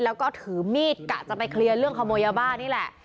แล้วก็ถือมีดกะจะไปเคลียร์เรื่องขโมยยาบ้านี่แหละ